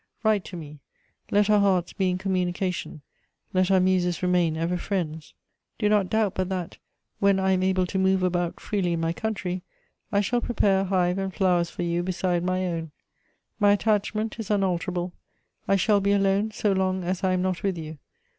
Write to me; let our hearts be in communication, let our muses remain ever friends. Do not doubt but that, when I am able to move about freely in my country, I shall prepare a hive and flowers for you beside my own. My attachment is unalterable. I shall be alone so long as I am not with you.